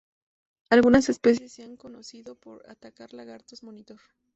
Algunas especies se han conocido por atacar lagartos monitor.